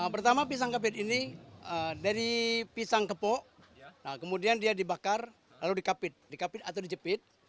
pertama pisang kapit ini dari pisang kepok kemudian dia dibakar lalu dikapit dikapit atau dijepit